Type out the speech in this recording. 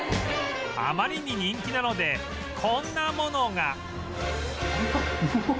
あまりに人気なのでこんなものが